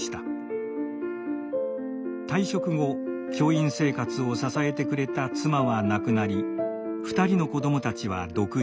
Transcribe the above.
退職後教員生活を支えてくれた妻は亡くなり２人の子どもたちは独立。